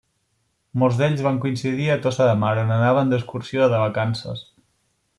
Molts d'ells van coincidir a Tossa de Mar, on anaven d'excursió o de vacances.